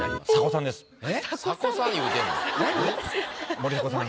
森迫さん。